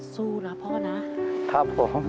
สู้นะพ่อนะสู้นะฟะครับผม